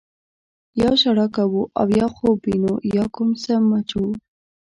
یا ژړا کوو او یا خوب وینو یا کوم څه مچوو.